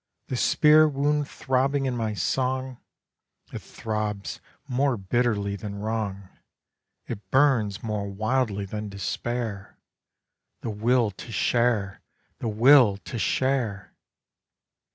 The spear wound throbbing in my song, It throbs more bitterly than wrong, It burns more wildly than despair, The will to share, The will to share!